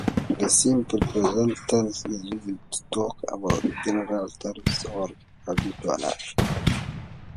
The simple present tense is used to talk about general truths or habitual actions.